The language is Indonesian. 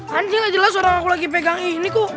nanti gak jelas orang aku lagi pegang ini kok